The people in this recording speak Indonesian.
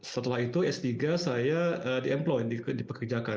setelah itu s tiga saya di employ dipekerjakan